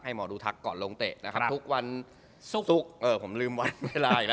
ให้หมอดูทักก่อนลงเตะนะครับ